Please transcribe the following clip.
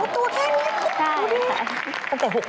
โทรทัศน์แค่นี้ถูกดี